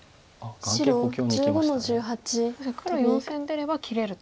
確かに黒４線に出れば切れると。